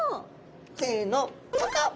せのパカッ！